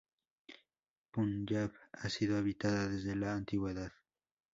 Punyab ha sido habitada desde la antigüedad.